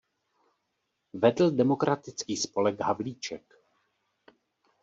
Vedl demokratický spolek Havlíček.